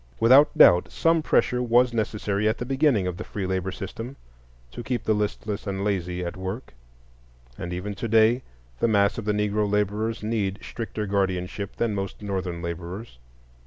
Without doubt, some pressure was necessary at the beginning of the free labor system to keep the listless and lazy at work; and even to day the mass of the Negro laborers need stricter guardianship than most Northern laborers.